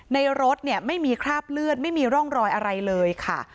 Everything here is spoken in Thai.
รถเนี่ยไม่มีคราบเลือดไม่มีร่องรอยอะไรเลยค่ะ